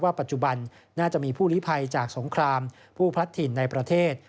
ปัจจุบันน่าจะมีผู้ลิภัยจากสงครามผู้พลัดถิ่นในประเทศ